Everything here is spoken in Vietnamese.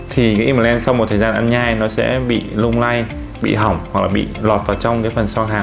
thì cái implant sau một thời gian ăn nhai nó sẽ bị lung lay bị hỏng hoặc là bị lọt vào trong cái phần xoang hàm